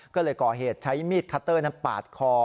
ก็เลยก่อเหตุใช้มีดคัตเตอร์นั้นปาดคอ